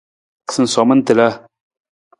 Sinsoman tiila.